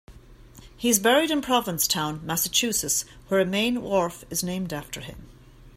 He is buried in Provincetown, Massachusetts, where a main wharf is named after him.